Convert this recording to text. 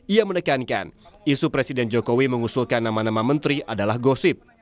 ia menekankan isu presiden jokowi mengusulkan nama nama menteri adalah gosip